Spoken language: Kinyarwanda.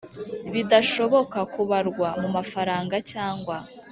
bidashoboka kubarwa mu mafaranga cyangwa